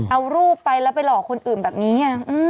เอารูปไปแล้วไปหลอกคนอื่นแบบนี้